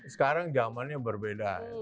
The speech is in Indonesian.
sekarang zamannya berbeda